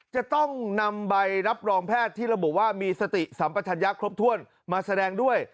จะต้องนำใบรับรองแพทย์ที่ระบุว่ามีสติสัมปชัญญะครบถ้วนมาแสดงด้วย